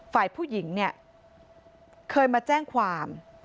ฝ่ายผู้หญิงเนี่ยเคยมาแจ้งความ